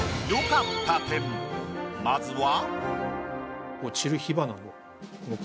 まずは。